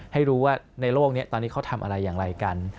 ให้รู้ว่าในโลกนี้ตอนนี้เขาทำอะไรอย่างไรกัน